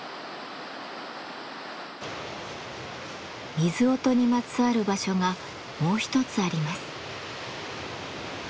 水音にまつわる場所がもう一つあります。